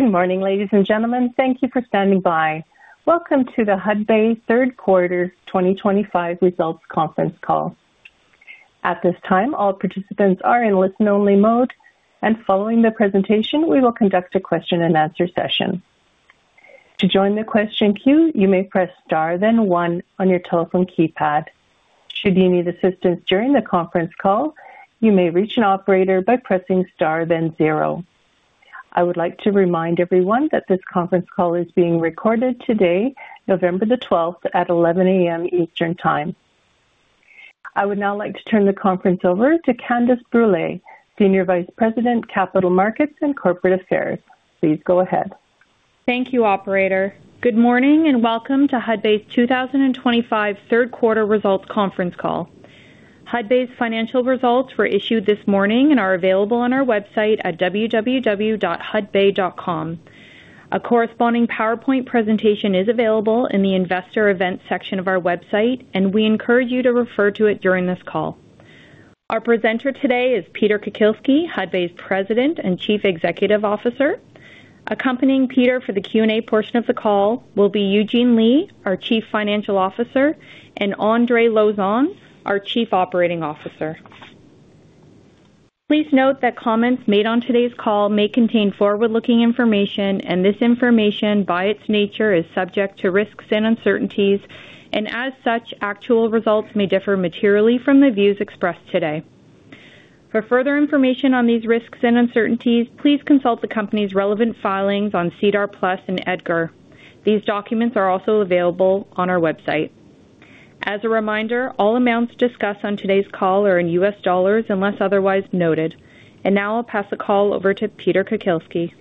Good morning, ladies and gentlemen. Thank you for standing by. Welcome to the Hudbay Third Quarter 2025 Results Conference Call. At this time, all participants are in listen-only mode, and following the presentation, we will conduct a question-and-answer session. To join the question queue, you may press star then one on your telephone keypad. Should you need assistance during the conference call, you may reach an operator by pressing star then zero. I would like to remind everyone that this conference call is being recorded today, November the 12th, at 11:00 A.M. Eastern Time. I would now like to turn the conference over to Candace Brule, Senior Vice President, Capital Markets and Corporate Affairs. Please go ahead. Thank you, Operator. Good morning and welcome to Hudbay's 2025 Third Quarter Results Conference Call. Hudbay's financial results were issued this morning and are available on our website at www.hudbay.com. A corresponding PowerPoint presentation is available in the Investor Events section of our website, and we encourage you to refer to it during this call. Our presenter today is Peter Kukielski, Hudbay's President and Chief Executive Officer. Accompanying Peter for the Q&A portion of the call will be Eugene Lee, our Chief Financial Officer, and Andre Lauzon, our Chief Operating Officer. Please note that comments made on today's call may contain forward-looking information, and this information, by its nature, is subject to risks and uncertainties, and as such, actual results may differ materially from the views expressed today. For further information on these risks and uncertainties, please consult the company's relevant filings on CDAR Plus and EDGAR. These documents are also available on our website. As a reminder, all amounts discussed on today's call are in U.S. dollars unless otherwise noted. I will pass the call over to Peter Kukielski.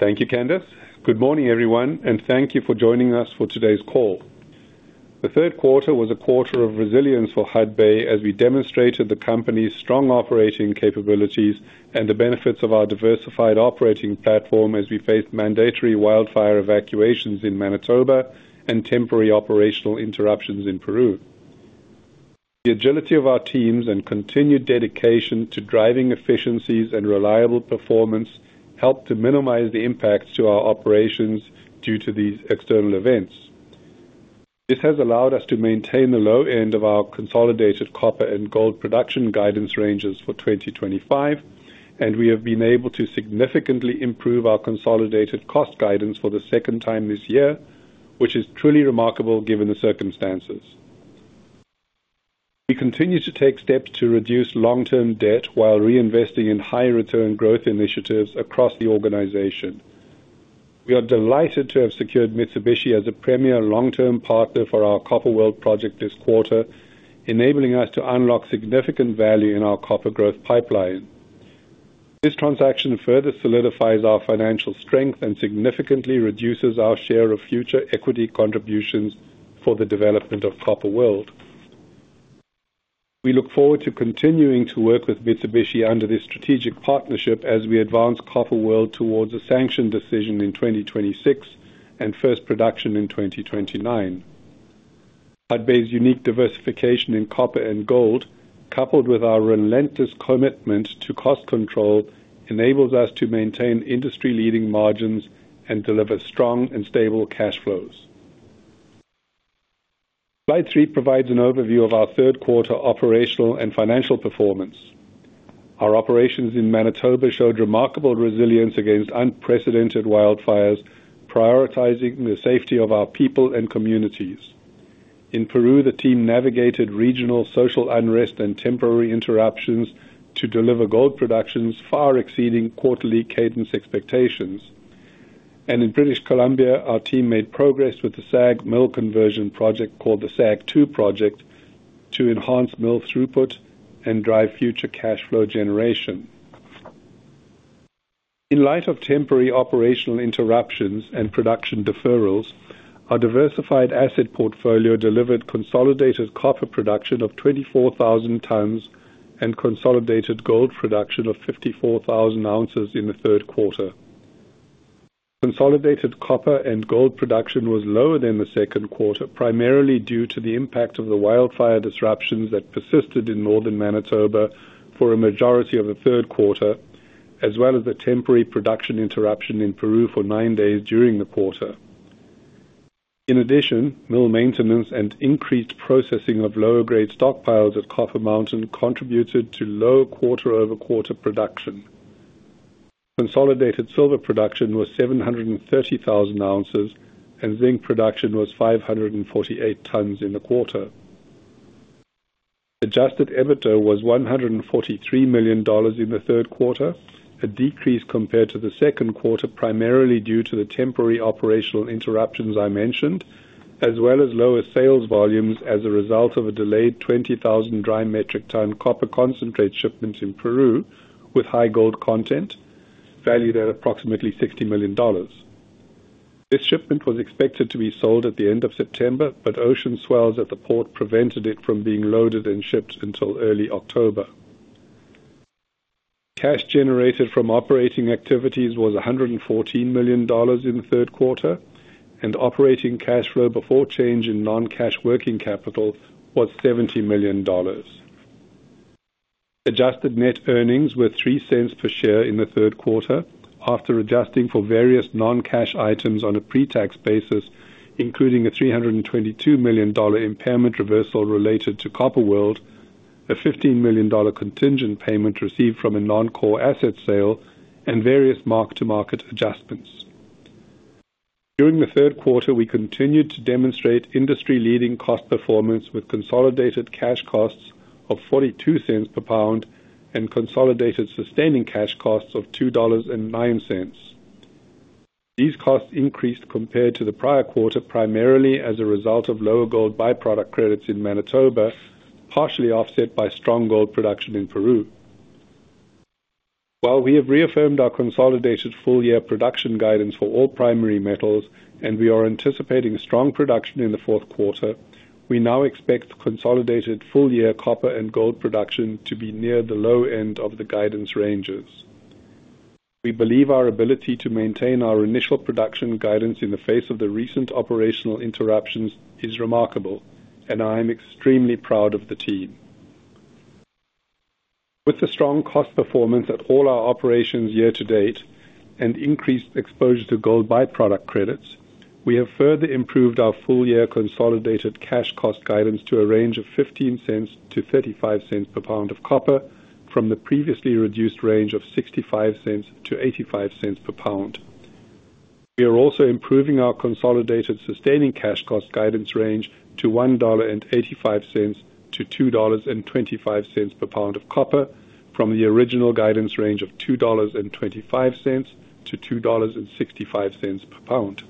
Thank you, Candace. Good morning, everyone, and thank you for joining us for today's call. The third quarter was a quarter of resilience for Hudbay as we demonstrated the company's strong operating capabilities and the benefits of our diversified operating platform as we faced mandatory wildfire evacuations in Manitoba and temporary operational interruptions in Peru. The agility of our teams and continued dedication to driving efficiencies and reliable performance helped to minimize the impacts to our operations due to these external events. This has allowed us to maintain the low end of our consolidated copper and gold production guidance ranges for 2025, and we have been able to significantly improve our consolidated cost guidance for the second time this year, which is truly remarkable given the circumstances. We continue to take steps to reduce long-term debt while reinvesting in high-return growth initiatives across the organization. We are delighted to have secured Mitsubishi as a premier long-term partner for our Copper World project this quarter, enabling us to unlock significant value in our copper growth pipeline. This transaction further solidifies our financial strength and significantly reduces our share of future equity contributions for the development of Copper World. We look forward to continuing to work with Mitsubishi under this strategic partnership as we advance Copper World towards a sanctioned decision in 2026 and first production in 2029. Hudbay's unique diversification in copper and gold, coupled with our relentless commitment to cost control, enables us to maintain industry-leading margins and deliver strong and stable cash flows. Slide 3 provides an overview of our third quarter operational and financial performance. Our operations in Manitoba showed remarkable resilience against unprecedented wildfires, prioritizing the safety of our people and communities. In Peru, the team navigated regional social unrest and temporary interruptions to deliver gold productions far exceeding quarterly cadence expectations. In British Columbia, our team made progress with the SAG mill conversion project called the SAG-2 project to enhance mill throughput and drive future cash flow generation. In light of temporary operational interruptions and production deferrals, our diversified asset portfolio delivered consolidated copper production of 24,000 tons and consolidated gold production of 54,000 ounces in the third quarter. Consolidated copper and gold production was lower than the second quarter, primarily due to the impact of the wildfire disruptions that persisted in northern Manitoba for a majority of the third quarter, as well as the temporary production interruption in Peru for nine days during the quarter. In addition, mill maintenance and increased processing of lower-grade stockpiles at Copper Mountain contributed to low quarter-over-quarter production. Consolidated silver production was 730,000 ounces, and zinc production was 548 tons in the quarter. Adjusted EBITDA was $143 million in the third quarter, a decrease compared to the second quarter primarily due to the temporary operational interruptions I mentioned, as well as lower sales volumes as a result of a delayed 20,000 dry metric ton copper concentrate shipment in Peru with high gold content, valued at approximately $60 million. This shipment was expected to be sold at the end of September, but ocean swells at the port prevented it from being loaded and shipped until early October. Cash generated from operating activities was $114 million in the third quarter, and operating cash flow before change in non-cash working capital was $70 million. Adjusted net earnings were $0.03 per share in the third quarter after adjusting for various non-cash items on a pre-tax basis, including a $322 million impairment reversal related to Copper World, a $15 million contingent payment received from a non-core asset sale, and various mark-to-market adjustments. During the third quarter, we continued to demonstrate industry-leading cost performance with consolidated cash costs of $0.42 per pound and consolidated sustaining cash costs of $2.09. These costs increased compared to the prior quarter primarily as a result of lower gold byproduct credits in Manitoba, partially offset by strong gold production in Peru. While we have reaffirmed our consolidated full-year production guidance for all primary metals, and we are anticipating strong production in the fourth quarter, we now expect consolidated full-year copper and gold production to be near the low end of the guidance ranges. We believe our ability to maintain our initial production guidance in the face of the recent operational interruptions is remarkable, and I am extremely proud of the team. With the strong cost performance at all our operations year to date and increased exposure to gold byproduct credits, we have further improved our full-year consolidated cash cost guidance to a range of $0.15-$0.35 per pound of copper from the previously reduced range of $0.65-$0.85 per pound. We are also improving our consolidated sustaining cash cost guidance range to $1.85-$2.25 per pound of copper from the original guidance range of $2.25-$2.65 per pound.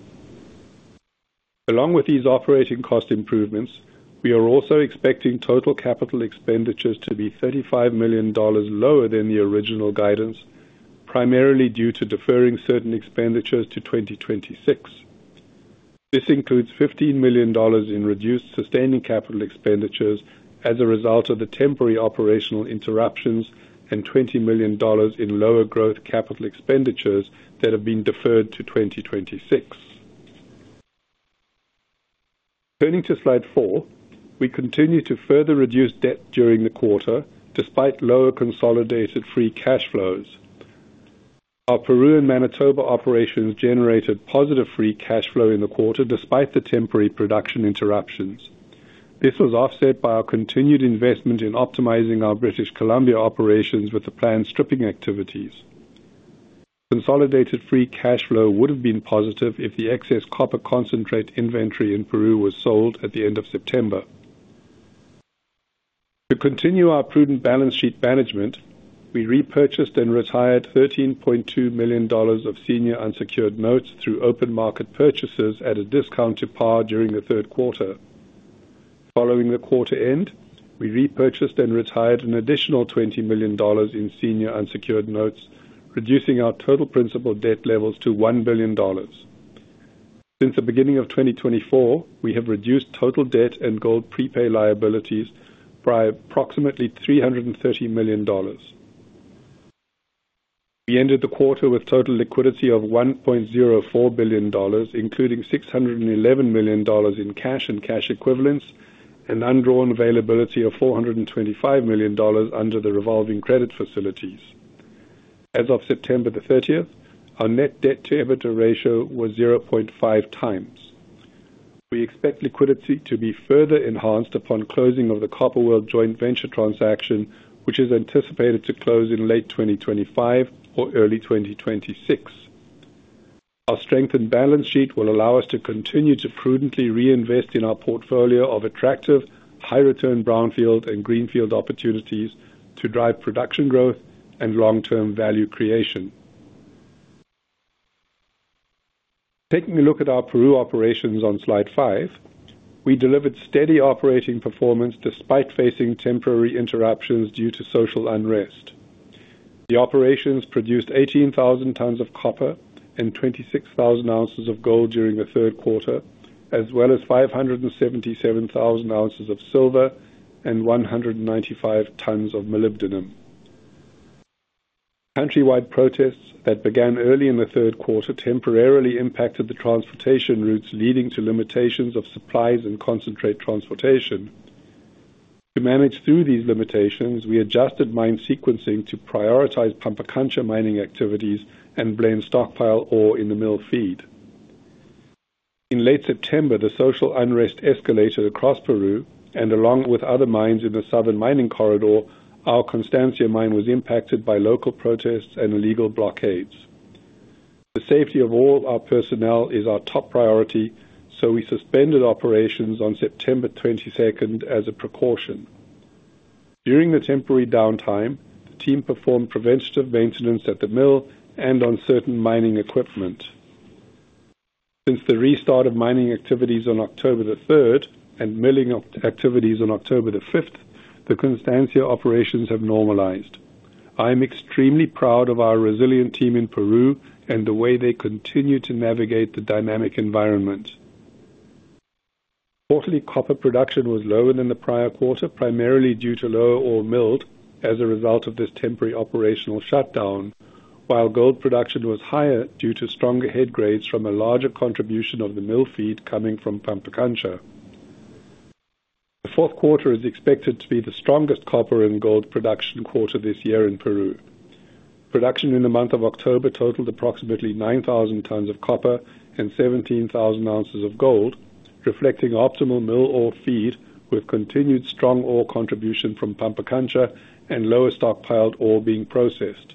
Along with these operating cost improvements, we are also expecting total capital expenditures to be $35 million lower than the original guidance, primarily due to deferring certain expenditures to 2026. This includes $15 million in reduced sustaining capital expenditures as a result of the temporary operational interruptions and $20 million in lower growth capital expenditures that have been deferred to 2026. Turning to slide 4, we continue to further reduce debt during the quarter despite lower consolidated free cash flows. Our Peru and Manitoba operations generated positive free cash flow in the quarter despite the temporary production interruptions. This was offset by our continued investment in optimizing our British Columbia operations with the planned stripping activities. Consolidated free cash flow would have been positive if the excess copper concentrate inventory in Peru was sold at the end of September. To continue our prudent balance sheet management, we repurchased and retired $13.2 million of senior unsecured notes through open market purchases at a discount to par during the third quarter. Following the quarter end, we repurchased and retired an additional $20 million in senior unsecured notes, reducing our total principal debt levels to $1 billion. Since the beginning of 2024, we have reduced total debt and gold prepay liabilities by approximately $330 million. We ended the quarter with total liquidity of $1.04 billion, including $611 million in cash and cash equivalents, and undrawn availability of $425 million under the revolving credit facilities. As of September the 30th, our net debt-to-EBITDA ratio was 0.5 times. We expect liquidity to be further enhanced upon closing of the Copper World joint venture transaction, which is anticipated to close in late 2025 or early 2026. Our strengthened balance sheet will allow us to continue to prudently reinvest in our portfolio of attractive, high-return brownfield and greenfield opportunities to drive production growth and long-term value creation. Taking a look at our Peru operations on slide 5, we delivered steady operating performance despite facing temporary interruptions due to social unrest. The operations produced 18,000 tons of copper and 26,000 ounces of gold during the third quarter, as well as 577,000 ounces of silver and 195 tons of molybdenum. Countrywide protests that began early in the third quarter temporarily impacted the transportation routes leading to limitations of supplies and concentrate transportation. To manage through these limitations, we adjusted mine sequencing to prioritize Pampakancha mining activities and blend stockpile ore in the mill feed. In late September, the social unrest escalated across Peru, and along with other mines in the southern mining corridor, our Constancia mine was impacted by local protests and illegal blockades. The safety of all our personnel is our top priority, so we suspended operations on September 22nd as a precaution. During the temporary downtime, the team performed preventative maintenance at the mill and on certain mining equipment. Since the restart of mining activities on October the 3rd and milling activities on October the 5th, the Constancia operations have normalized. I am extremely proud of our resilient team in Peru and the way they continue to navigate the dynamic environment. Quarterly, copper production was lower than the prior quarter, primarily due to lower ore milled as a result of this temporary operational shutdown, while gold production was higher due to stronger head grades from a larger contribution of the mill feed coming from Pampakancha. The fourth quarter is expected to be the strongest copper and gold production quarter this year in Peru. Production in the month of October totaled approximately 9,000 tons of copper and 17,000 ounces of gold, reflecting optimal mill ore feed with continued strong ore contribution from Pampakancha and lower stockpiled ore being processed.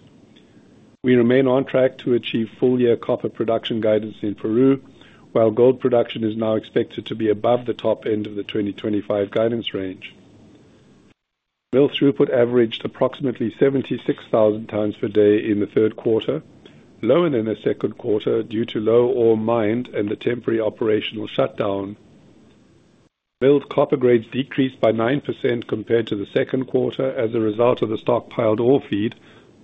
We remain on track to achieve full-year copper production guidance in Peru, while gold production is now expected to be above the top end of the 2025 guidance range. Mill throughput averaged approximately 76,000 tons per day in the third quarter, lower than the second quarter due to low ore mined and the temporary operational shutdown. Milled copper grades decreased by 9% compared to the second quarter as a result of the stockpiled ore feed,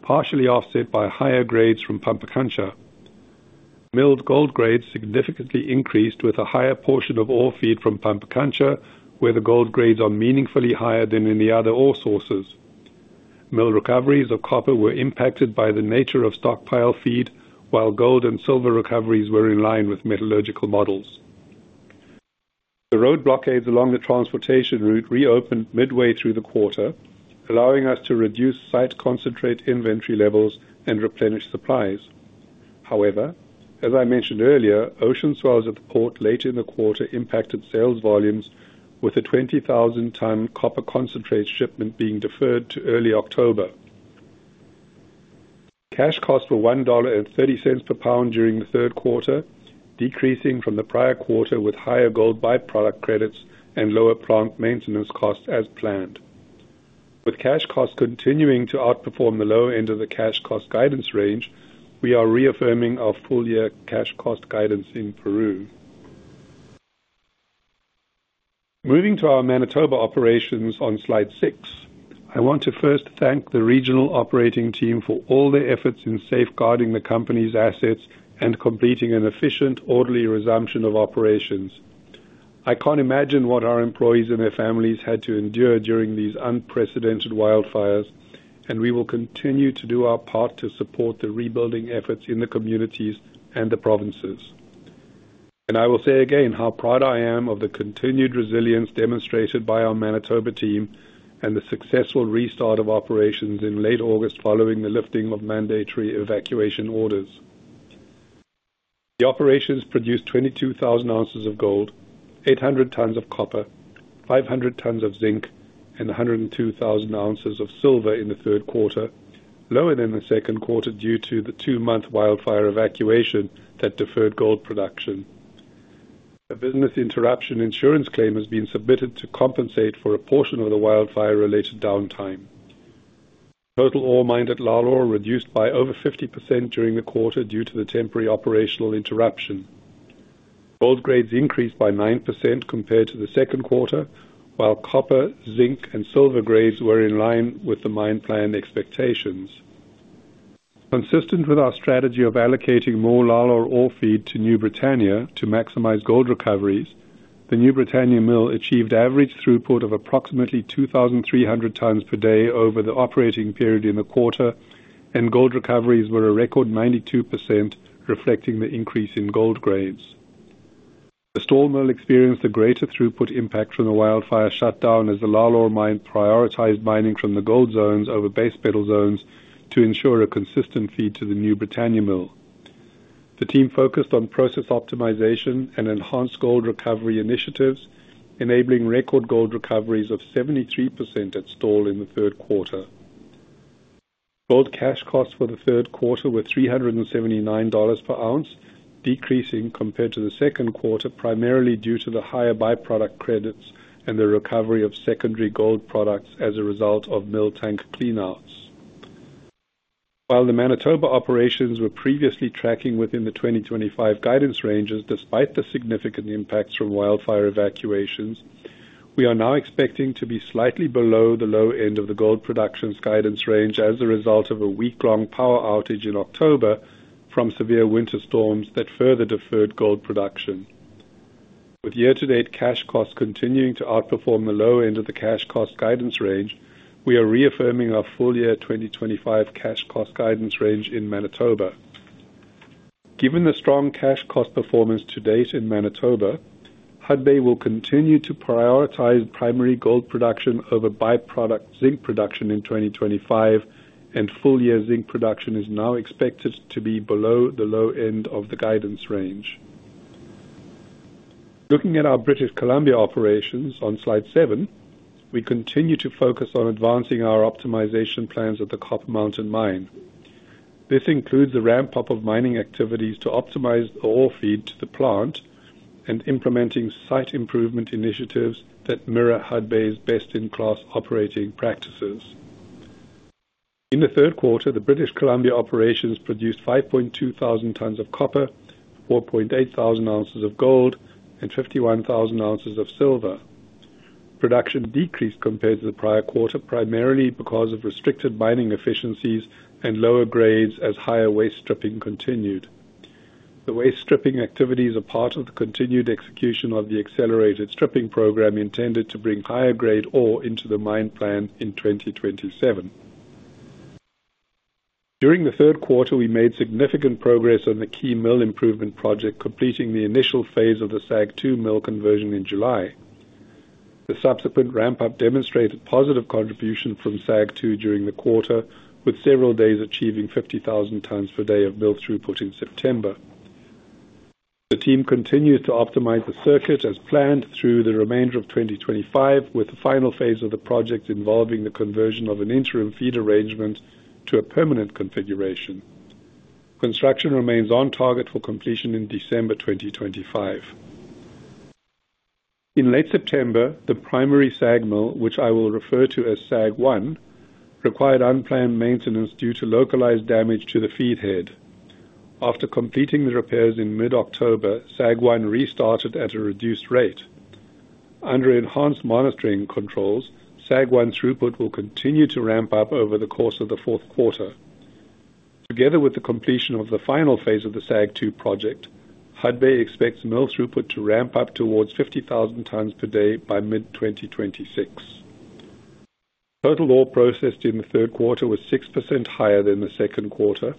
partially offset by higher grades from Pampakancha. Milled gold grades significantly increased with a higher portion of ore feed from Pampakancha, where the gold grades are meaningfully higher than in the other ore sources. Mill recoveries of copper were impacted by the nature of stockpile feed, while gold and silver recoveries were in line with metallurgical models. The road blockades along the transportation route reopened midway through the quarter, allowing us to reduce site concentrate inventory levels and replenish supplies. However, as I mentioned earlier, ocean swells at the port late in the quarter impacted sales volumes, with a 20,000-ton copper concentrate shipment being deferred to early October. Cash costs were $1.30 per pound during the third quarter, decreasing from the prior quarter with higher gold byproduct credits and lower plant maintenance costs as planned. With cash costs continuing to outperform the lower end of the cash cost guidance range, we are reaffirming our full-year cash cost guidance in Peru. Moving to our Manitoba operations on slide 6, I want to first thank the regional operating team for all their efforts in safeguarding the company's assets and completing an efficient, orderly resumption of operations. I can't imagine what our employees and their families had to endure during these unprecedented wildfires, and we will continue to do our part to support the rebuilding efforts in the communities and the provinces. I will say again how proud I am of the continued resilience demonstrated by our Manitoba team and the successful restart of operations in late August following the lifting of mandatory evacuation orders. The operations produced 22,000 ounces of gold, 800 tons of copper, 500 tons of zinc, and 102,000 ounces of silver in the third quarter, lower than the second quarter due to the two-month wildfire evacuation that deferred gold production. A business interruption insurance claim has been submitted to compensate for a portion of the wildfire-related downtime. Total ore mined at Lalor reduced by over 50% during the quarter due to the temporary operational interruption. Gold grades increased by 9% compared to the second quarter, while copper, zinc, and silver grades were in line with the mine plan expectations. Consistent with our strategy of allocating more Lalor ore feed to New Britannia to maximize gold recoveries, the New Britannia mill achieved average throughput of approximately 2,300 tons per day over the operating period in the quarter, and gold recoveries were a record 92%, reflecting the increase in gold grades. The Stall mill experienced a greater throughput impact from the wildfire shutdown as the Lalor mine prioritized mining from the gold zones over base metal zones to ensure a consistent feed to the New Britannia mill. The team focused on process optimization and enhanced gold recovery initiatives, enabling record gold recoveries of 73% at Stall in the third quarter. Gold cash costs for the third quarter were $379 per ounce, decreasing compared to the second quarter primarily due to the higher byproduct credits and the recovery of secondary gold products as a result of mill tank clean-outs. While the Manitoba operations were previously tracking within the 2025 guidance ranges despite the significant impacts from wildfire evacuations, we are now expecting to be slightly below the low end of the gold production guidance range as a result of a week-long power outage in October from severe winter storms that further deferred gold production. With year-to-date cash costs continuing to outperform the lower end of the cash cost guidance range, we are reaffirming our full-year 2025 cash cost guidance range in Manitoba. Given the strong cash cost performance to date in Manitoba, Hudbay will continue to prioritize primary gold production over byproduct zinc production in 2025, and full-year zinc production is now expected to be below the low end of the guidance range. Looking at our British Columbia operations on slide 7, we continue to focus on advancing our optimization plans at the Copper Mountain mine. This includes the ramp-up of mining activities to optimize the ore feed to the plant and implementing site improvement initiatives that mirror Hudbay's best-in-class operating practices. In the third quarter, the British Columbia operations produced 5.2 thousand tons of copper, 4.8 thousand ounces of gold, and 51 thousand ounces of silver. Production decreased compared to the prior quarter primarily because of restricted mining efficiencies and lower grades as higher waste stripping continued. The waste stripping activities are part of the continued execution of the accelerated stripping program intended to bring higher-grade ore into the mine plan in 2027. During the third quarter, we made significant progress on the key mill improvement project, completing the initial phase of the SAG-2 mill conversion in July. The subsequent ramp-up demonstrated positive contribution from SAG-2 during the quarter, with several days achieving 50,000 tons per day of mill throughput in September. The team continues to optimize the circuit as planned through the remainder of 2025, with the final phase of the project involving the conversion of an interim feed arrangement to a permanent configuration. Construction remains on target for completion in December 2025. In late September, the primary SAG mill, which I will refer to as SAG-1, required unplanned maintenance due to localized damage to the feedhead. After completing the repairs in mid-October, SAG-1 restarted at a reduced rate. Under enhanced monitoring controls, SAG-1 throughput will continue to ramp up over the course of the fourth quarter. Together with the completion of the final phase of the SAG-2 project, Hudbay expects mill throughput to ramp up towards 50,000 tons per day by mid-2026. Total ore processed in the third quarter was 6% higher than the second quarter,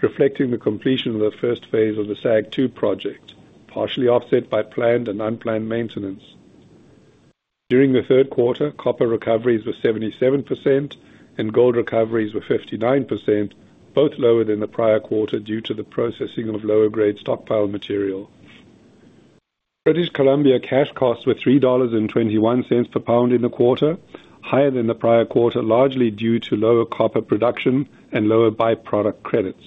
reflecting the completion of the first phase of the SAG-2 project, partially offset by planned and unplanned maintenance. During the third quarter, copper recoveries were 77% and gold recoveries were 59%, both lower than the prior quarter due to the processing of lower-grade stockpile material. British Columbia cash costs were $3.21 per pound in the quarter, higher than the prior quarter, largely due to lower copper production and lower byproduct credits.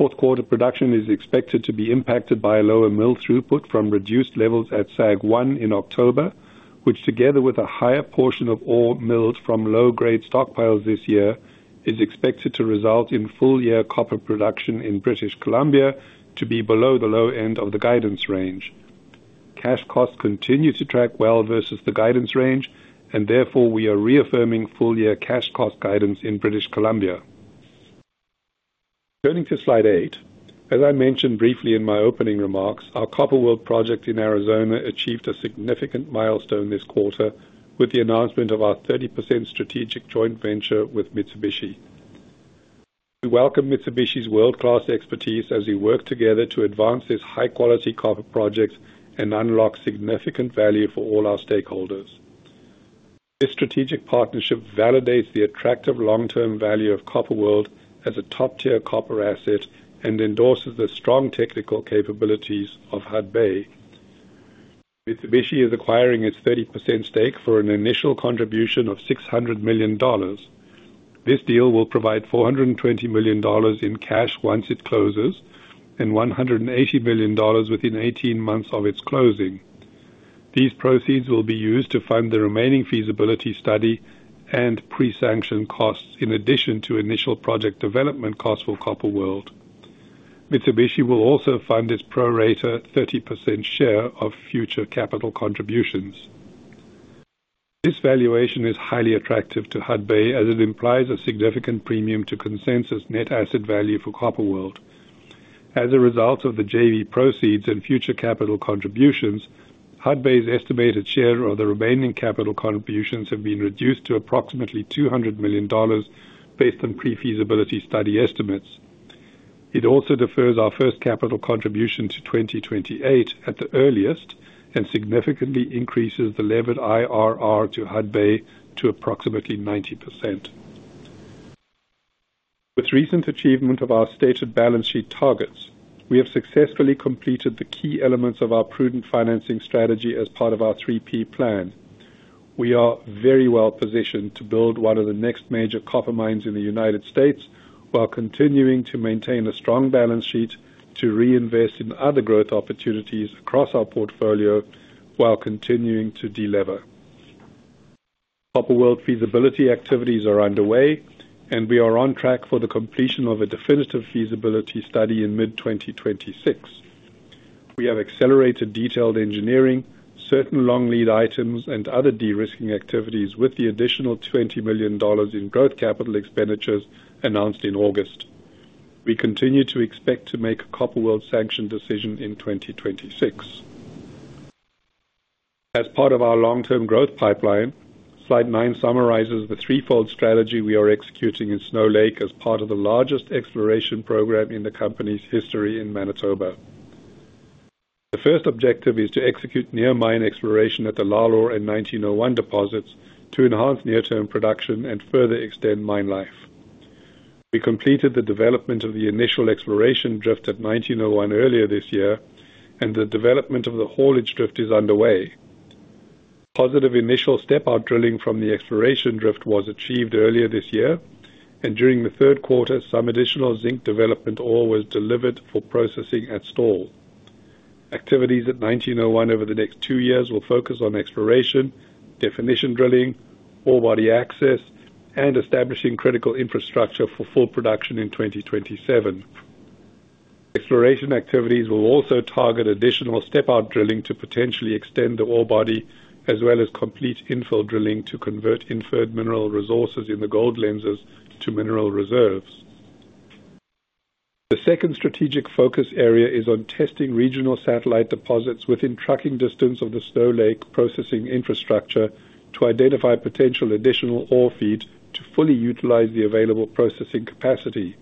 Fourth quarter production is expected to be impacted by a lower mill throughput from reduced levels at SAG-1 in October, which, together with a higher portion of ore milled from low-grade stockpiles this year, is expected to result in full-year copper production in British Columbia to be below the low end of the guidance range. Cash costs continue to track well versus the guidance range, and therefore we are reaffirming full-year cash cost guidance in British Columbia. Turning to slide 8, as I mentioned briefly in my opening remarks, our Copper World project in Arizona achieved a significant milestone this quarter with the announcement of our 30% strategic joint venture with Mitsubishi. We welcome Mitsubishi's world-class expertise as we work together to advance this high-quality copper project and unlock significant value for all our stakeholders. This strategic partnership validates the attractive long-term value of Copper World as a top-tier copper asset and endorses the strong technical capabilities of Hudbay. Mitsubishi is acquiring its 30% stake for an initial contribution of $600 million. This deal will provide $420 million in cash once it closes and $180 million within 18 months of its closing. These proceeds will be used to fund the remaining feasibility study and pre-sanction costs in addition to initial project development costs for Copper World. Mitsubishi will also fund its prorata 30% share of future capital contributions. This valuation is highly attractive to Hudbay as it implies a significant premium to consensus net asset value for Copper World. As a result of the JV proceeds and future capital contributions, Hudbay's estimated share of the remaining capital contributions has been reduced to approximately $200 million based on pre-feasibility study estimates. It also defers our first capital contribution to 2028 at the earliest and significantly increases the levered IRR to Hudbay to approximately 90%. With recent achievement of our stated balance sheet targets, we have successfully completed the key elements of our prudent financing strategy as part of our 3P plan. We are very well positioned to build one of the next major copper mines in the U.S. while continuing to maintain a strong balance sheet to reinvest in other growth opportunities across our portfolio while continuing to delever. Copper World feasibility activities are underway, and we are on track for the completion of a definitive feasibility study in mid-2026. We have accelerated detailed engineering, certain long lead items, and other de-risking activities with the additional $20 million in growth capital expenditures announced in August. We continue to expect to make a Copper World sanction decision in 2026. As part of our long-term growth pipeline, slide 9 summarizes the threefold strategy we are executing in Snow Lake as part of the largest exploration program in the company's history in Manitoba. The first objective is to execute near-mine exploration at the Lalor and 1901 deposits to enhance near-term production and further extend mine life. We completed the development of the initial exploration drift at 1901 earlier this year, and the development of the haulage drift is underway. Positive initial step-out drilling from the exploration drift was achieved earlier this year, and during the third quarter, some additional zinc development ore was delivered for processing at Stall. Activities at 1901 over the next two years will focus on exploration, definition drilling, ore body access, and establishing critical infrastructure for full production in 2027. Exploration activities will also target additional step-out drilling to potentially extend the ore body, as well as complete infill drilling to convert inferred mineral resources in the gold lenses to mineral reserves. The second strategic focus area is on testing regional satellite deposits within trucking distance of the Snow Lake processing infrastructure to identify potential additional ore feed to fully utilize the available processing capacity.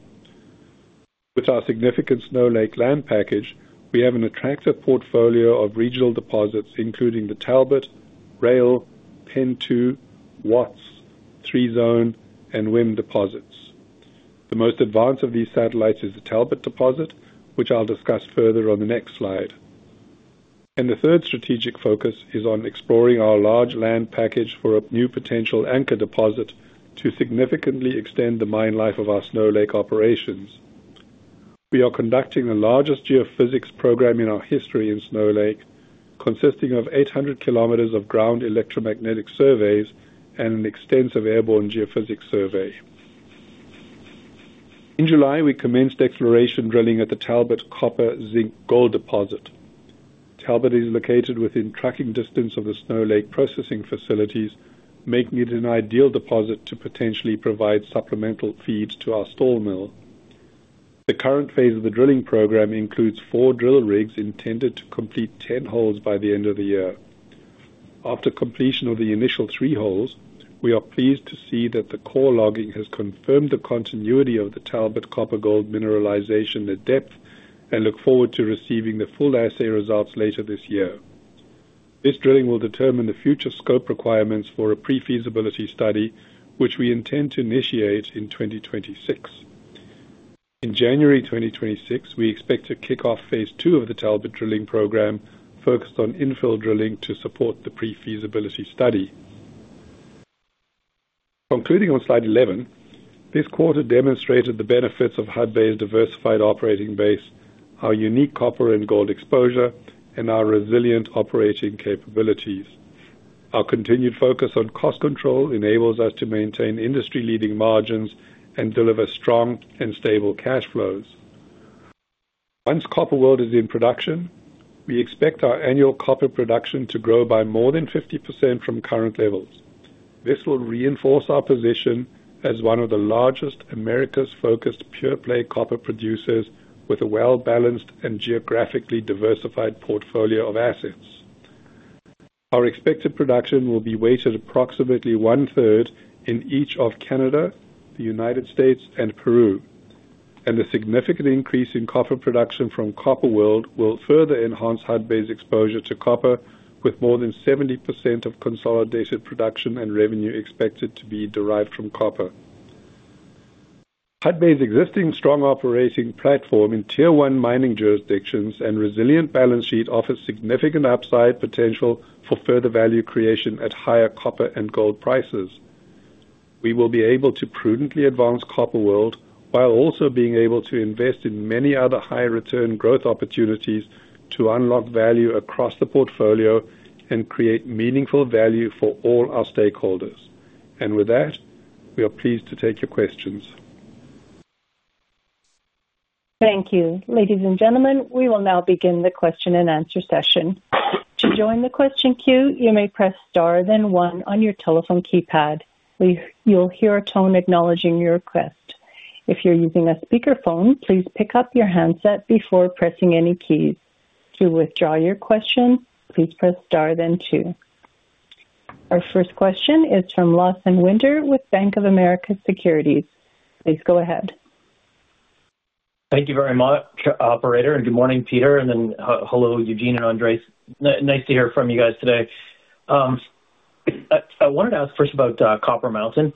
With our significant Snow Lake land package, we have an attractive portfolio of regional deposits including the Talbot, Rail, Pen-2, Watts, 3-Zone, and WIM deposits. The most advanced of these satellites is the Talbot deposit, which I'll discuss further on the next slide. The third strategic focus is on exploring our large land package for a new potential anchor deposit to significantly extend the mine life of our Snow Lake operations. We are conducting the largest geophysics program in our history in Snow Lake, consisting of 800 km of ground electromagnetic surveys and an extensive airborne geophysics survey. In July, we commenced exploration drilling at the Talbot copper zinc gold deposit. Talbot is located within trucking distance of the Snow Lake processing facilities, making it an ideal deposit to potentially provide supplemental feeds to our Stall mill. The current phase of the drilling program includes four drill rigs intended to complete 10 holes by the end of the year. After completion of the initial three holes, we are pleased to see that the core logging has confirmed the continuity of the Talbot copper gold mineralization at depth and look forward to receiving the full assay results later this year. This drilling will determine the future scope requirements for a pre-feasibility study, which we intend to initiate in 2026. In January 2026, we expect to kick off phase two of the Talbot drilling program focused on infill drilling to support the pre-feasibility study. Concluding on slide 11, this quarter demonstrated the benefits of Hudbay's diversified operating base, our unique copper and gold exposure, and our resilient operating capabilities. Our continued focus on cost control enables us to maintain industry-leading margins and deliver strong and stable cash flows. Once Copper World is in production, we expect our annual copper production to grow by more than 50% from current levels. This will reinforce our position as one of the largest America's focused pure play copper producers with a well-balanced and geographically diversified portfolio of assets. Our expected production will be weighted approximately one-third in each of Canada, the U.S., and Peru, and the significant increase in copper production from Copper World will further enhance Hudbay's exposure to copper, with more than 70% of consolidated production and revenue expected to be derived from copper. Hudbay's existing strong operating platform in tier-one mining jurisdictions and resilient balance sheet offers significant upside potential for further value creation at higher copper and gold prices. We will be able to prudently advance Copper World while also being able to invest in many other high-return growth opportunities to unlock value across the portfolio and create meaningful value for all our stakeholders. We are pleased to take your questions. Thank you. Ladies and gentlemen, we will now begin the question and answer session. To join the question queue, you may press star then one on your telephone keypad. You'll hear a tone acknowledging your request. If you're using a speakerphone, please pick up your handset before pressing any keys. To withdraw your question, please press star then two. Our first question is from Lawson Winter with Bank of America Securities. Please go ahead. Thank you very much, Operator, and good morning, Peter, and then hello, Eugene and Andre. Nice to hear from you guys today. I wanted to ask first about Copper Mountain.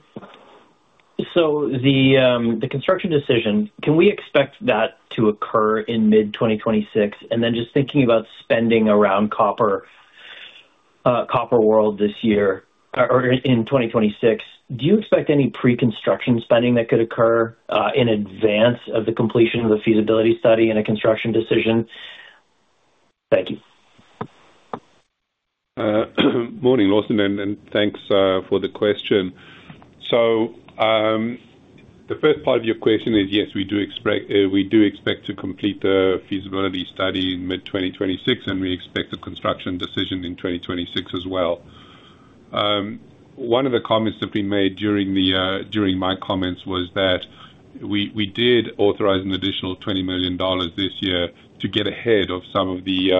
So the construction decision, can we expect that to occur in mid-2026? And then just thinking about spending around Copper World this year or in 2026, do you expect any pre-construction spending that could occur in advance of the completion of the feasibility study and a construction decision? Thank you. Morning, Lawson, and thanks for the question. The first part of your question is, yes, we do expect to complete the feasibility study in mid-2026, and we expect a construction decision in 2026 as well. One of the comments that we made during my comments was that we did authorize an additional $20 million this year to get ahead of some of the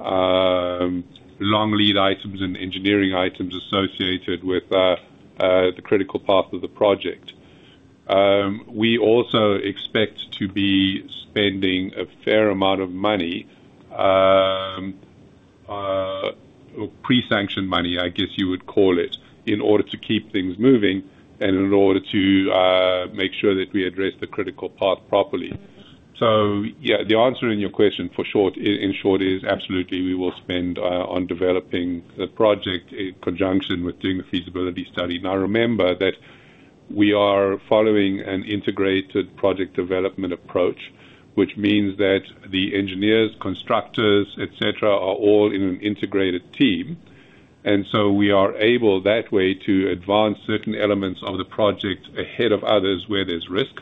long lead items and engineering items associated with the critical parts of the project. We also expect to be spending a fair amount of money, or pre-sanctioned money, I guess you would call it, in order to keep things moving and in order to make sure that we address the critical part properly. Yeah, the answer in your question in short is absolutely we will spend on developing the project in conjunction with doing the feasibility study. I remember that we are following an integrated project development approach, which means that the engineers, constructors, etc., are all in an integrated team. We are able that way to advance certain elements of the project ahead of others where there is risk.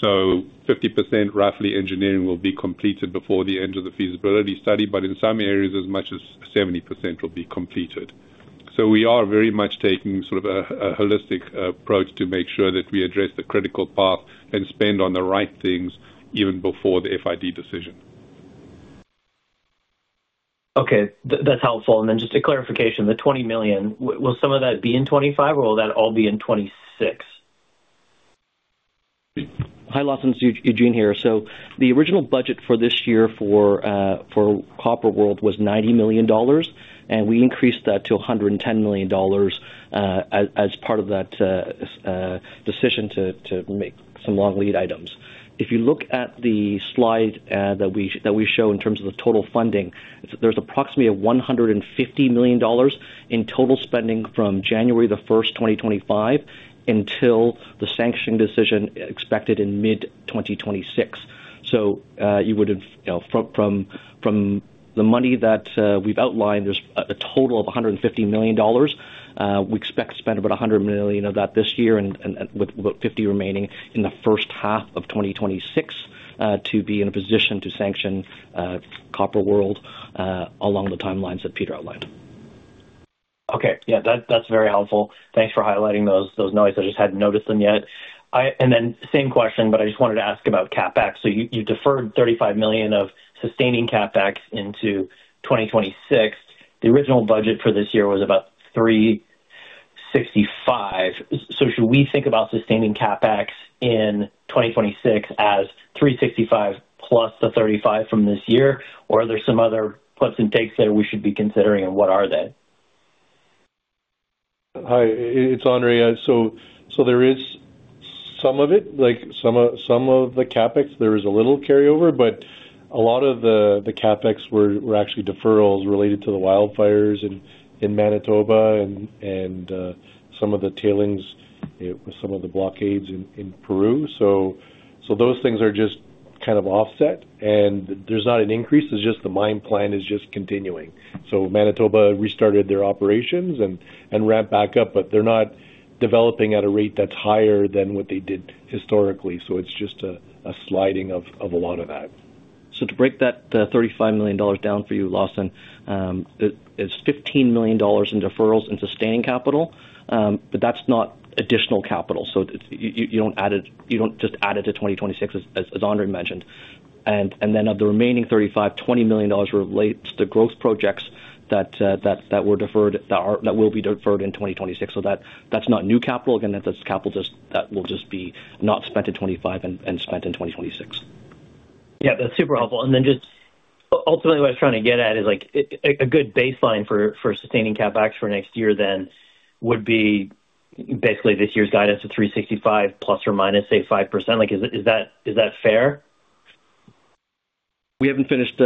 So 50% roughly engineering will be completed before the end of the feasibility study, but in some areas, as much as 70% will be completed. We are very much taking sort of a holistic approach to make sure that we address the critical part and spend on the right things even before the FID decision. Okay, that is helpful. And then just a clarification, the $20 million, will some of that be in 2025 or will that all be in 2026? Hi, Lawson, it is Eugene here. The original budget for this year for Copper World was $90 million, and we increased that to $110 million as part of that decision to make some long lead items. If you look at the slide that we show in terms of the total funding, there is approximately $150 million in total spending from January 1, 2025, until the sanctioning decision expected in mid-2026. From the money that we have outlined, there is a total of $150 million. We expect to spend about $100 million of that this year and with about $50 million remaining in the first half of 2026 to be in a position to sanction Copper World along the timelines that Peter outlined. Okay, yeah, that is very helpful. Thanks for highlighting those, Lawson. I just had not noticed them yet. Same question, but I just wanted to ask about CapEx. You deferred $35 million of sustaining CapEx into 2026. The original budget for this year was about $365 million. Should we think about sustaining CapEx in 2026 as $365 million plus the $35 million from this year, or are there some other flips and takes that we should be considering, and what are they? Hi, it's Andre. There is some of it, some of the CapEx, there is a little carryover, but a lot of the CapEx were actually deferrals related to the wildfires in Manitoba and some of the tailings with some of the blockades in Peru. Those things are just kind of offset, and there's not an increase. The mine plan is just continuing. Manitoba restarted their operations and ramped back up, but they're not developing at a rate that's higher than what they did historically. It is just a sliding of a lot of that. To break that $35 million down for you, Lawson, it is $15 million in deferrals and sustaining capital, but that is not additional capital. You do not just add it to 2026, as Andre mentioned. Of the remaining $35 million, $20 million relates to growth projects that were deferred that will be deferred in 2026. That is not new capital. Again, that is capital that will just be not spent in 2025 and spent in 2026. Yeah, that is super helpful. Ultimately, what I was trying to get at is a good baseline for sustaining CapEx for next year then would be basically this year's guidance of $365 million plus or minus 5%. Is that fair? We have not finished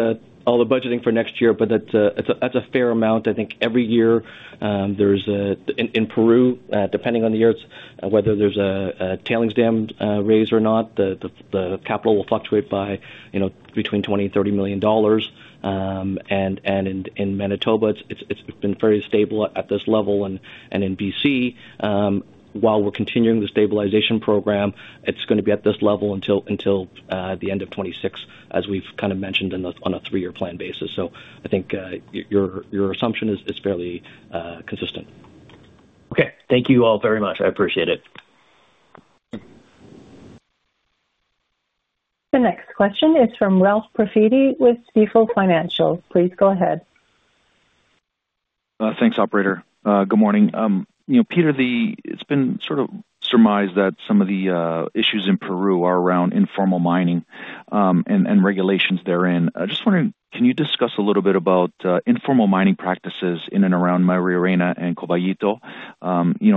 all the budgeting for next year, but that is a fair amount. I think every year in Peru, depending on the year, whether there is a tailings dam raise or not, the capital will fluctuate by between $20 million and $30 million. In Manitoba, it has been very stable at this level. In British Columbia, while we are continuing the stabilization program, it is going to be at this level until the end of 2026, as we have kind of mentioned on a three-year plan basis. I think your assumption is fairly consistent. Okay, thank you all very much. I appreciate it. The next question is from Ralph Profiti with C-Full Financial. Please go ahead. Thanks, Operator. Good morning. Peter, it has been sort of surmised that some of the issues in Peru are around informal mining and regulations therein. I just wondered, can you discuss a little bit about informal mining practices in and around Mariarena and Cobayito?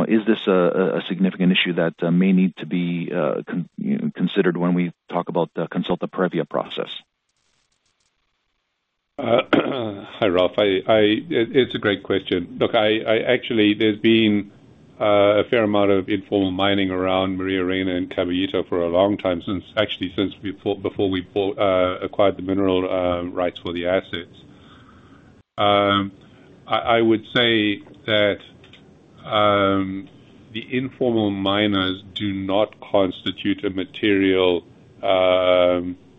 Is this a significant issue that may need to be considered when we talk about the consulta previa process? Hi, Ralph. It's a great question. Look, actually, there's been a fair amount of informal mining around Mariarena and Cobayito for a long time, actually before we acquired the mineral rights for the assets. I would say that the informal miners do not constitute a material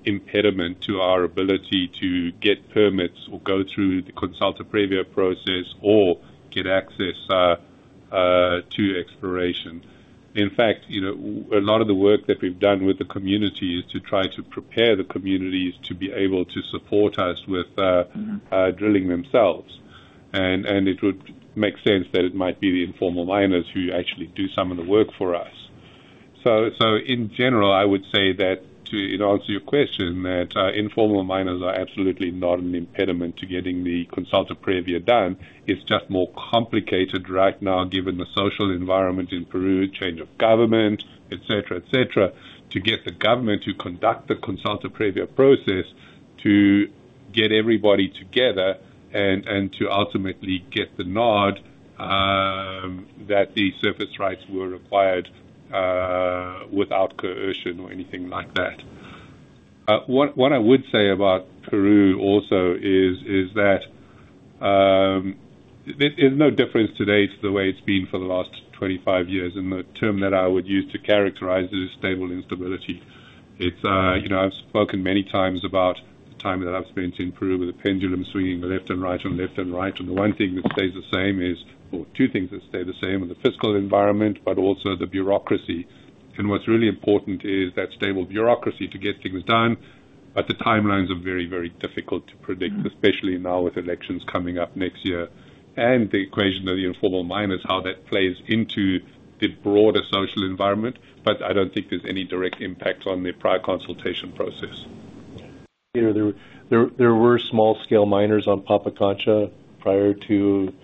impediment to our ability to get permits or go through the consulta previa process or get access to exploration. In fact, a lot of the work that we've done with the community is to try to prepare the communities to be able to support us with drilling themselves. It would make sense that it might be the informal miners who actually do some of the work for us. In general, I would say that to answer your question, informal miners are absolutely not an impediment to getting the consulta previa done. It is just more complicated right now, given the social environment in Peru, change of government, etc., to get the government to conduct the consulta previa process, to get everybody together, and to ultimately get the nod that the surface rights were acquired without coercion or anything like that. What I would say about Peru also is that there is no difference today to the way it has been for the last 25 years. The term that I would use to characterize it is stable instability. I have spoken many times about the time that I have spent in Peru with the pendulum swinging left and right and left and right. The one thing that stays the same is, or two things that stay the same in the fiscal environment, but also the bureaucracy. What's really important is that stable bureaucracy to get things done, but the timelines are very, very difficult to predict, especially now with elections coming up next year. The equation of the informal miners, how that plays into the broader social environment, but I do not think there is any direct impact on the prior consultation process. There were small-scale miners on Pampakancha prior to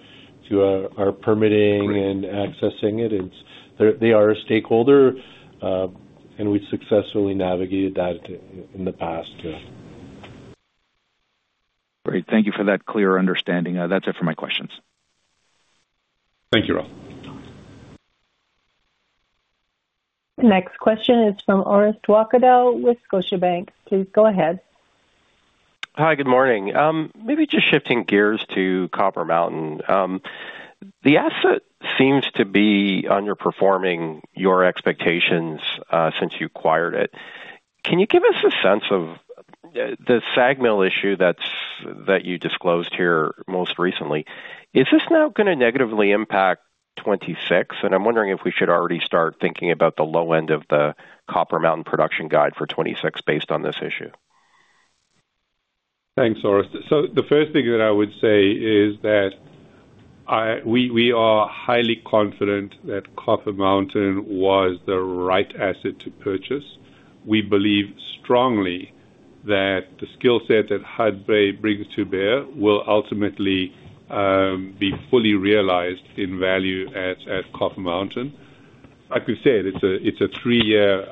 our permitting and accessing it. They are a stakeholder, and we successfully navigated that in the past. Great. Thank you for that clear understanding. That is it for my questions. Thank you, Ralph. The next question is from Orest Wacadell with Scotiabank. Please go ahead. Hi, good morning. Maybe just shifting gears to Copper Mountain. The asset seems to be underperforming your expectations since you acquired it. Can you give us a sense of the SAG mill issue that you disclosed here most recently? Is this now going to negatively impact 2026? I am wondering if we should already start thinking about the low end of the Copper Mountain production guide for 2026 based on this issue. Thanks, Orest. The first thing that I would say is that we are highly confident that Copper Mountain was the right asset to purchase. We believe strongly that the skill set that Hudbay brings to bear will ultimately be fully realized in value at Copper Mountain. Like we said, it is a three-year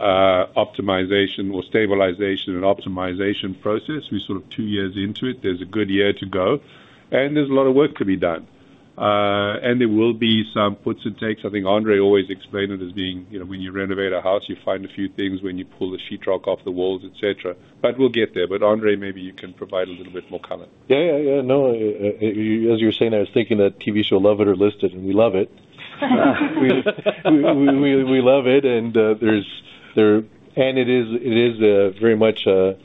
optimization or stabilization and optimization process. We are sort of two years into it. There is a good year to go, and there is a lot of work to be done. There will be some puts and takes. I think Andre always explained it as being when you renovate a house, you find a few things when you pull the sheetrock off the walls, etc. We will get there. Andre, maybe you can provide a little bit more color. Yeah, yeah. As you were saying, I was thinking that TV show Love It or List It, and we love it. We love it. It is very much a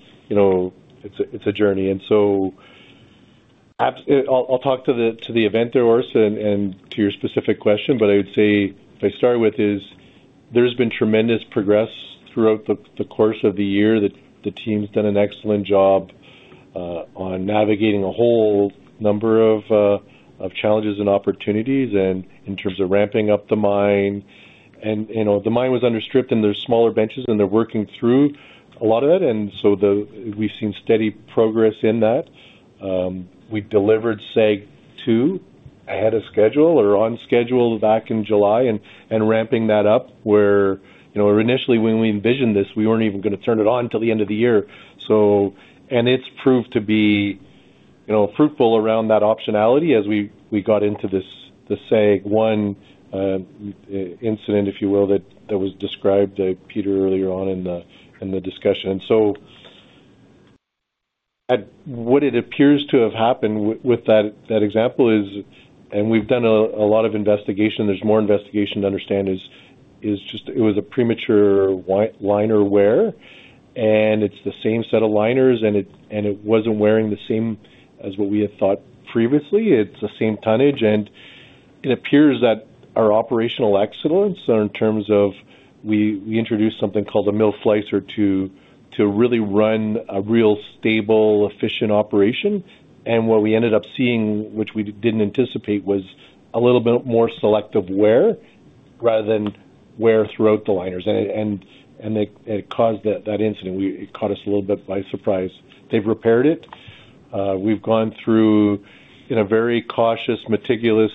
journey. I will talk to the event, Orest, and to your specific question, but I would say if I start with is there's been tremendous progress throughout the course of the year. The team's done an excellent job on navigating a whole number of challenges and opportunities in terms of ramping up the mine. The mine was under strip, and there are smaller benches, and they're working through a lot of it. We have seen steady progress in that. We delivered SAG II ahead of schedule or on schedule back in July and ramping that up where initially, when we envisioned this, we were not even going to turn it on until the end of the year. It has proved to be fruitful around that optionality as we got into the SAG I incident, if you will, that was described by Peter earlier on in the discussion. What appears to have happened with that example is, and we have done a lot of investigation, there is more investigation to understand, is it was a premature liner wear, and it is the same set of liners, and it was not wearing the same as what we had thought previously. It is the same tonnage. It appears that our operational excellence in terms of we introduced something called a mill slicer to really run a real stable, efficient operation. What we ended up seeing, which we did not anticipate, was a little bit more selective wear rather than wear throughout the liners. It caused that incident. It caught us a little bit by surprise. They have repaired it. We have gone through a very cautious, meticulous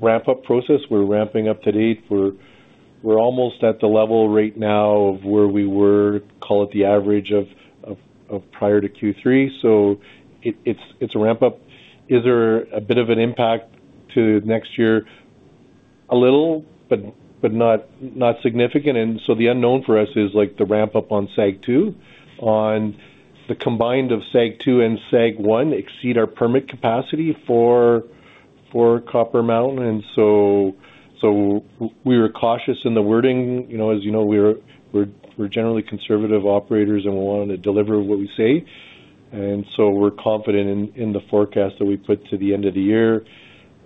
ramp-up process. We are ramping up today. We are almost at the level right now of where we were, call it the average of prior to Q3. It is a ramp-up. Is there a bit of an impact to next year? A little, but not significant. The unknown for us is the ramp-up on SAG II. The combined of SAG II and SAG I exceed our permit capacity for Copper Mountain. We were cautious in the wording. As you know, we're generally conservative operators, and we want to deliver what we say. We're confident in the forecast that we put to the end of the year.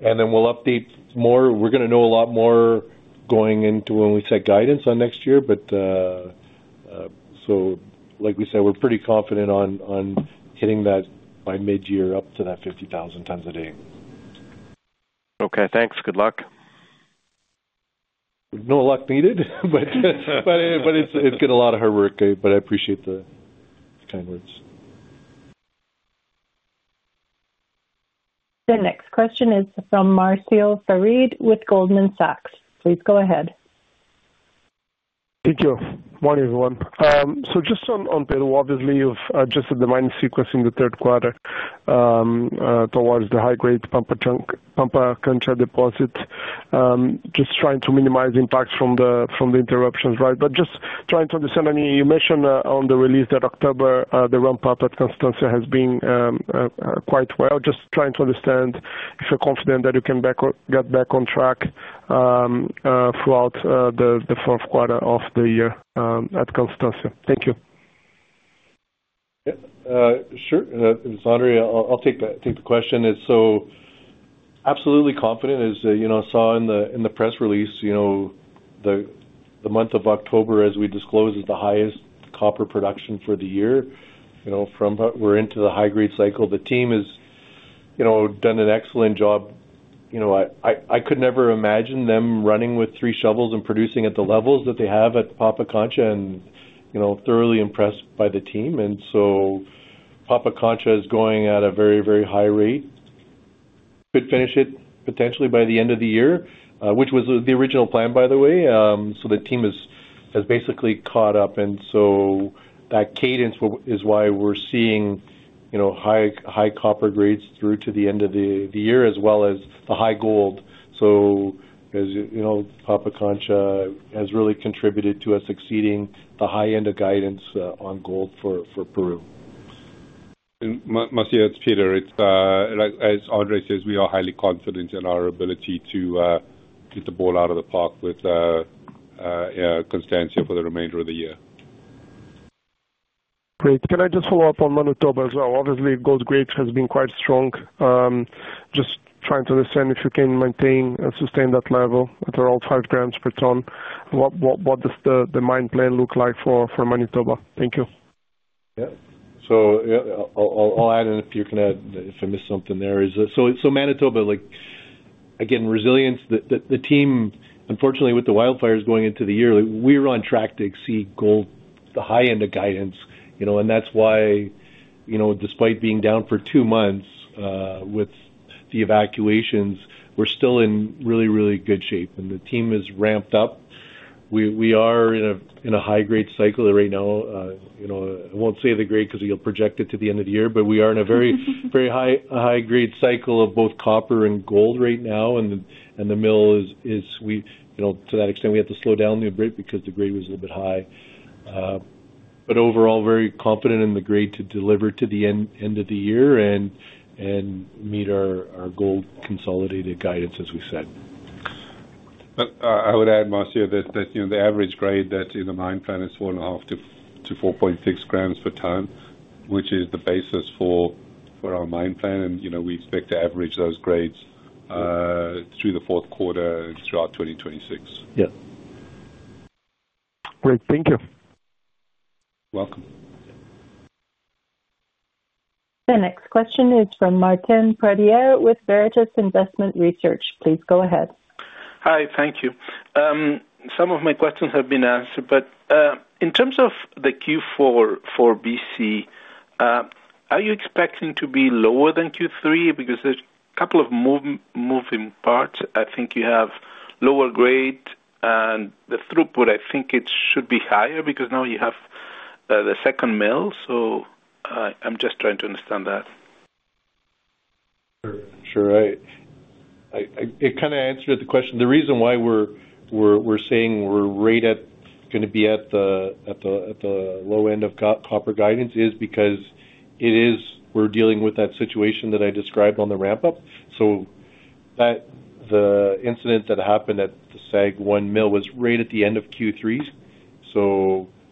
We'll update more. We're going to know a lot more going into when we set guidance on next year. Like we said, we're pretty confident on hitting that by mid-year up to that 50,000 tons a day. Okay, thanks. Good luck. No luck needed, but it's been a lot of hard work, but I appreciate the kind words. The next question is from Marcel Favri with Goldman Sachs. Please go ahead. Thank you. Morning, everyone. Just on Pedro, obviously, you've adjusted the mining sequence in the third quarter towards the high-grade Pampakancha deposit, just trying to minimize impacts from the interruptions, right? Just trying to understand, I mean, you mentioned on the release that October, the ramp-up at Constancia has been quite well. Just trying to understand if you're confident that you can get back on track throughout the fourth quarter of the year at Constancia. Thank you. Sure. It was Andre. I'll take the question. Absolutely confident, as I saw in the press release, the month of October, as we disclosed, is the highest copper production for the year from what we're into the high-grade cycle. The team has done an excellent job. I could never imagine them running with three shovels and producing at the levels that they have at Pampakancha and thoroughly impressed by the team. Pampakancha is going at a very, very high rate. Could finish it potentially by the end of the year, which was the original plan, by the way. The team has basically caught up. That cadence is why we are seeing high copper grades through to the end of the year, as well as the high gold. Pampakancha has really contributed to us exceeding the high end of guidance on gold for Peru. Marcelo, it is Peter. As Andre says, we are highly confident in our ability to get the ball out of the park with Constancia for the remainder of the year. Great. Can I just follow up on Manitoba as well? Obviously, gold grades have been quite strong. Just trying to understand if you can maintain and sustain that level at around 5 grams per ton. What does the mine plan look like for Manitoba? Thank you. Yeah. I will add in if you can add, if I missed something there. Manitoba, again, resilience. The team, unfortunately, with the wildfires going into the year, we were on track to exceed the high end of guidance. That is why, despite being down for two months with the evacuations, we are still in really, really good shape. The team is ramped up. We are in a high-grade cycle right now. I will not say the grade because you will project it to the end of the year, but we are in a very high-grade cycle of both copper and gold right now. The mill is, to that extent, we had to slow down a little bit because the grade was a little bit high. Overall, very confident in the grade to deliver to the end of the year and meet our gold consolidated guidance, as we said. I would add, Marcel, that the average grade that's in the mine plan is 4.5-4.6 grams per ton, which is the basis for our mine plan. We expect to average those grades through the fourth quarter and throughout 2026. Yeah. Great. Thank you. Welcome. The next question is from Martin Pradier with Veritas Investment Research. Please go ahead. Hi. Thank you. Some of my questions have been answered, but in terms of the Q4 for BC, are you expecting to be lower than Q3? Because there's a couple of moving parts. I think you have lower grade, and the throughput, I think it should be higher because now you have the second mill. I'm just trying to understand that. Sure. Right. It kind of answered the question. The reason why we're saying we're going to be at the low end of copper guidance is because we're dealing with that situation that I described on the ramp-up. The incident that happened at the SAG I mill was right at the end of Q3.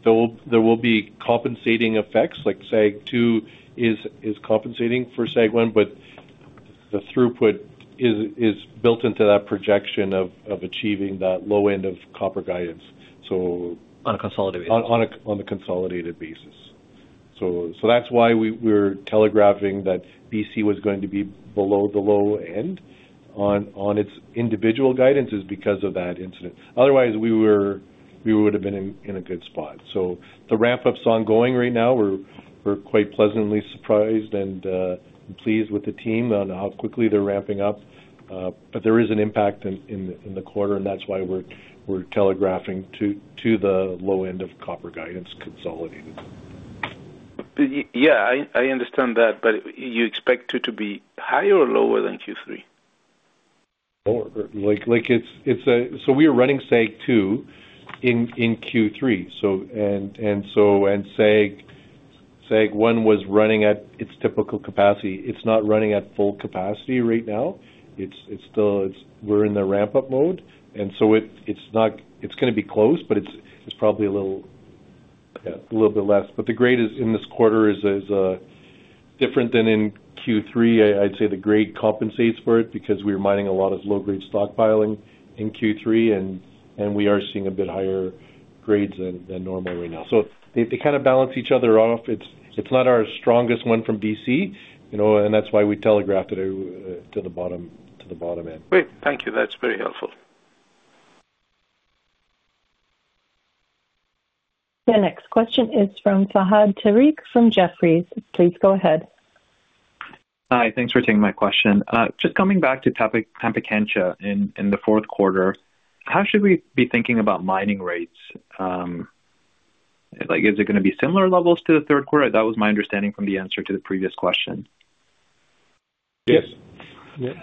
There will be compensating effects. SAG II is compensating for SAG I, but the throughput is built into that projection of achieving that low end of copper guidance. On a consolidated basis. On a consolidated basis. That's why we're telegraphing that BC was going to be below the low end on its individual guidance is because of that incident. Otherwise, we would have been in a good spot. The ramp-up's ongoing right now. We're quite pleasantly surprised and pleased with the team on how quickly they're ramping up. There is an impact in the quarter, and that's why we're telegraphing to the low end of copper guidance consolidated. Yeah, I understand that, but you expect it to be higher or lower than Q3? Like, we are running SAG II in Q3. SAG I was running at its typical capacity. It's not running at full capacity right now. We're in the ramp-up mode. It's going to be close, but it's probably a little bit less. The grade in this quarter is different than in Q3. I'd say the grade compensates for it because we're mining a lot of low-grade stockpiling in Q3, and we are seeing a bit higher grades than normal right now. They kind of balance each other off. It's not our strongest one from British Columbia, and that's why we telegraphed it to the bottom end. Great. Thank you. That's very helpful. The next question is from Fahad Tariq from Jefferies. Please go ahead. Hi. Thanks for taking my question. Just coming back to Pampakancha in the fourth quarter, how should we be thinking about mining rates? Is it going to be similar levels to the third quarter? That was my understanding from the answer to the previous question. Yes. Yep.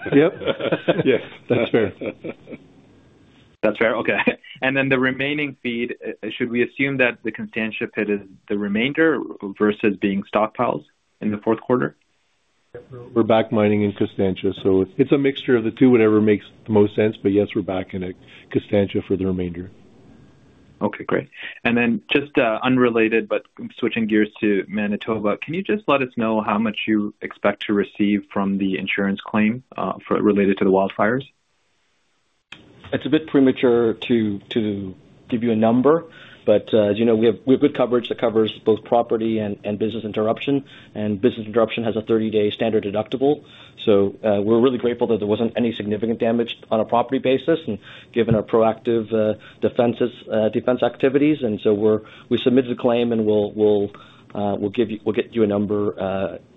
Yes. That's fair. That's fair? Okay. And then the remaining feed, should we assume that the Constancia pit is the remainder versus being stockpiled in the fourth quarter? We're back mining in Constancia. So it's a mixture of the two, whatever makes the most sense. But yes, we're back in Constancia for the remainder. Okay. Great. And then just unrelated, but switching gears to Manitoba, can you just let us know how much you expect to receive from the insurance claim related to the wildfires? It's a bit premature to give you a number, but as you know, we have good coverage that covers both property and business interruption. Business interruption has a 30-day standard deductible. We are really grateful that there was not any significant damage on a property basis given our proactive defense activities. We submitted the claim, and we will get you a number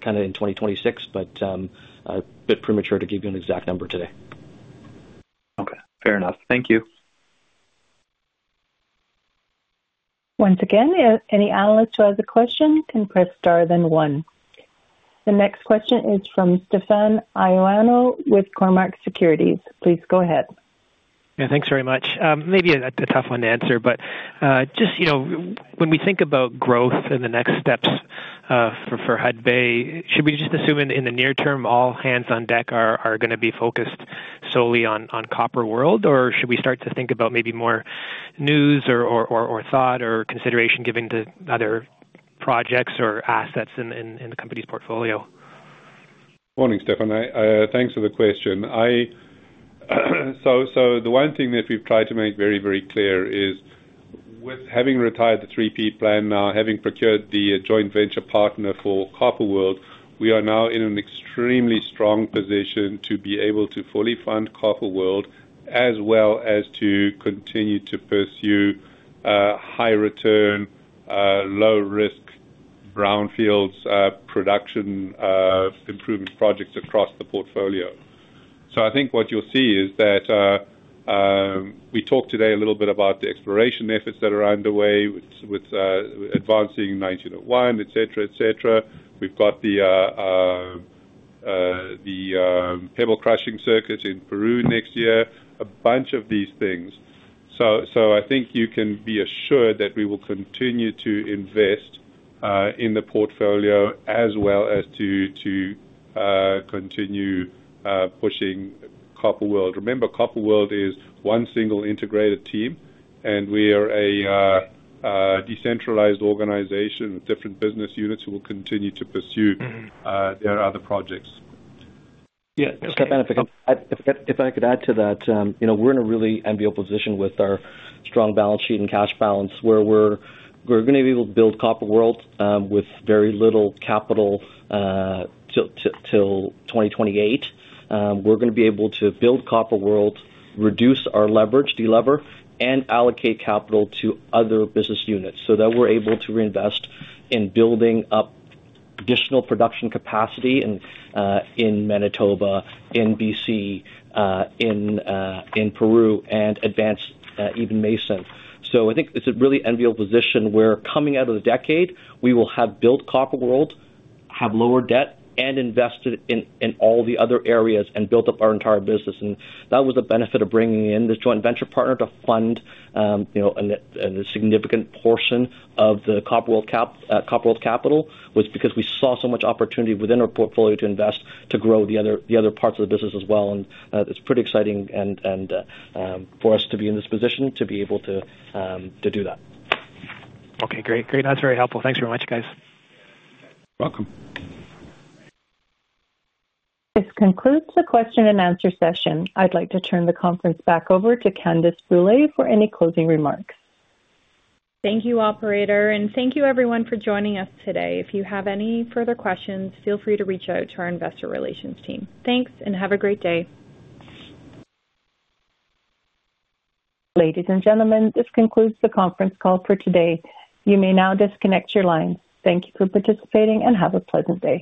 kind of in 2026, but it is a bit premature to give you an exact number today. Okay. Fair enough. Thank you. Once again, any analyst who has a question can press star then one. The next question is from Stefan Ioano with Cormark Securities. Please go ahead. Yeah. Thanks very much. Maybe a tough one to answer, but just when we think about growth and the next steps for Hudbay, should we just assume in the near term all hands on deck are going to be focused solely on Copper World, or should we start to think about maybe more news or thought or consideration given to other projects or assets in the company's portfolio? Morning, Stefan. Thanks for the question. The one thing that we have tried to make very, very clear is with having retired the 3P plan, now having procured the joint venture partner for Copper World, we are now in an extremely strong position to be able to fully fund Copper World as well as to continue to pursue high-return, low-risk brownfields production improvement projects across the portfolio. I think what you'll see is that we talked today a little bit about the exploration efforts that are underway with advancing 1901, etc., etc. We've got the pebble crushing circuits in Peru next year, a bunch of these things. I think you can be assured that we will continue to invest in the portfolio as well as to continue pushing Copper World. Remember, Copper World is one single integrated team, and we are a decentralized organization with different business units who will continue to pursue their other projects. Yeah. Stefan, if I could add to that, we're in a really enviable position with our strong balance sheet and cash balance where we're going to be able to build Copper World with very little capital till 2028. We're going to be able to build Copper World, reduce our leverage, delever, and allocate capital to other business units so that we're able to reinvest in building up additional production capacity in Manitoba, in British Columbia, in Peru, and advance even Mason. I think it's a really enviable position where coming out of the decade, we will have built Copper World, have lower debt, and invested in all the other areas and built up our entire business. That was the benefit of bringing in this joint venture partner to fund a significant portion of the Copper World capital, because we saw so much opportunity within our portfolio to invest to grow the other parts of the business as well. It's pretty exciting for us to be in this position to be able to do that. Okay. Great. Great. That's very helpful. Thanks very much, guys. Welcome. This concludes the question and answer session. I'd like to turn the conference back over to Candace Brule for any closing remarks. Thank you, Operator. Thank you, everyone, for joining us today. If you have any further questions, feel free to reach out to our investor relations team. Thanks, and have a great day. Ladies and gentlemen, this concludes the conference call for today. You may now disconnect your lines. Thank you for participating, and have a pleasant day.